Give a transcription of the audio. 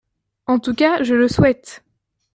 En tout cas, je le souhaite.